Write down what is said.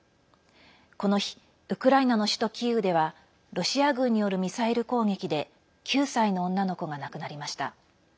この日ウクライナの首都キーウではロシア軍によるミサイル攻撃で９歳の女の子が亡くなりました。